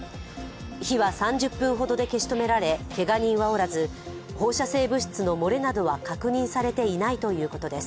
火は３０分ほどで消し止められけが人はおらず放射性物質の漏れなどは確認されていないということです。